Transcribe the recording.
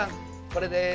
これです！